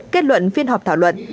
kết luận phiên họp thảo luận